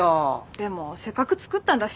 でもせっかく作ったんだし。